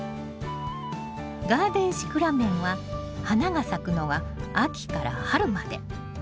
ガーデンシクラメンは花が咲くのが秋から春まで。